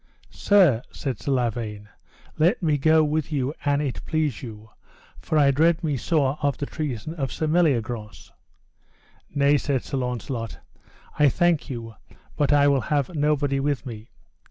Sir, said Sir Lavaine, let me go with you an it please you, for I dread me sore of the treason of Sir Meliagrance. Nay, said Sir Launcelot, I thank you, but I will have nobody with me.